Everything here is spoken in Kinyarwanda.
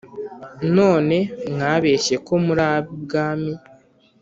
none mwabeshyeko muri abi bwami?